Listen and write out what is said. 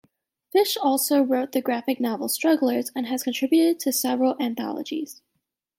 Fish also wrote the graphic novel, "Strugglers," and has contributed to several anthologies.